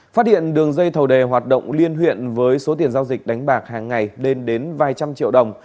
phát hiện đường dây thầu đề hoạt động liên huyện với số tiền giao dịch đánh bạc hàng ngày đến đến vài trăm triệu đồng